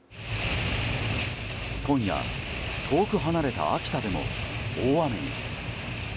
今夜遠く離れた秋田でも大雨に。